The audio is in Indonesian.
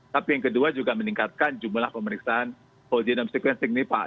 tapi yang kedua juga meningkatkan jumlah pemeriksaan whole genome sequencing nih pak